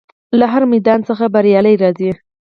له هر میدان څخه بریالی راځي.